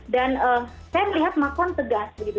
dan saya melihat macron tegas begitu